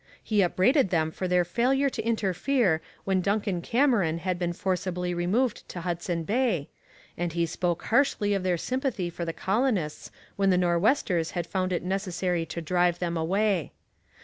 He upbraided them for their failure to interfere when Duncan Cameron had been forcibly removed to Hudson Bay, and he spoke harshly of their sympathy for the colonists when the Nor'westers had found it necessary to drive them away.